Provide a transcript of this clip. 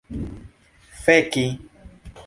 feki